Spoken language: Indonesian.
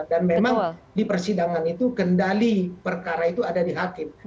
dan memang di persidangan itu kendali perkara itu ada di hakim